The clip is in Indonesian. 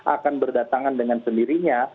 akan berdatangan dengan sendirinya